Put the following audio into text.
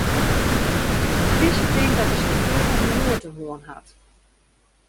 De plysje tinkt dat de sjauffeur in beroerte hân hat.